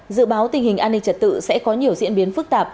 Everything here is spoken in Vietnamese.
dự báo tình hình an ninh trật tự sẽ có nhiều diễn biến phức tạp